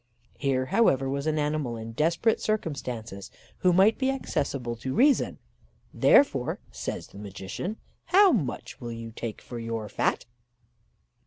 "Here, however, was an animal in desperate circumstances, who might be accessible to reason; therefore, says the magician "'How much will you take for your fat?